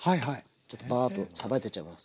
ちょっとバーッとさばいていっちゃいます。